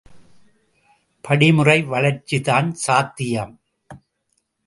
படிமுறை வளர்ச்சிதான் சாத்தியம்!